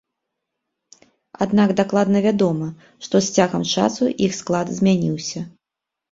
Аднак дакладна вядома, што з цягам часу іх склад змяніўся.